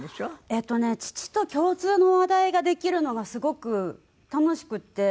えっとね父と共通の話題ができるのがすごく楽しくって。